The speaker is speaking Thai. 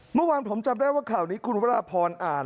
เมื่อวานผมจำได้ว่าข่าวนี้คุณวรพรอ่าน